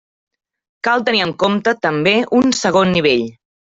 Cal tenir en compte, també, un segon nivell.